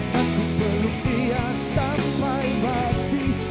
dan ku peluk dia tanpa imajin